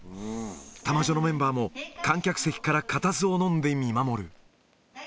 玉女のメンバーも観客席から固唾を飲んで見守る。